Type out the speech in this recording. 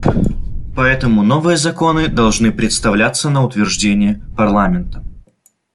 Поэтому новые законы должны представляться на утверждение парламентом.